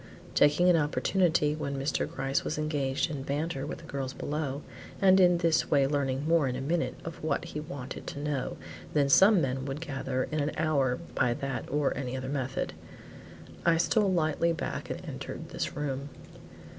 Taking an opportunity when Mr. Gryce was engaged in banter with the girls below, and in this way learning more in a minute of what he wanted to know than some men would gather in an hour by that or any other method, I stole lightly back and entered this room.